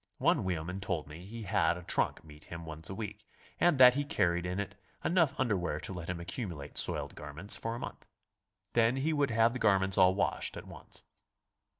One wheelman told me he had a trunk meet him once a week, and that he carried in it enough underwear to let him accumulate soiled garments for a month. Then he would have the garments all washed at once.